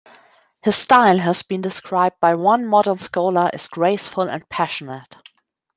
His style has been described by one modern scholar as graceful and passionate.